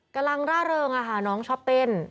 กำลังร่าเริงอ่ะฮะน้องชอบเต้น